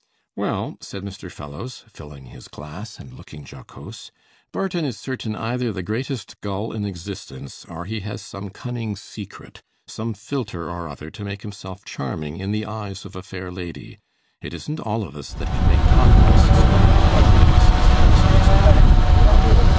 'Well,' said Mr. Fellowes, filling his glass and looking jocose, 'Barton is certainly either the greatest gull in existence, or he has some cunning secret, some philtre or other to make himself charming in the eyes of a fair lady. It isn't all of us that can make conquests when our ugliness is past its bloom.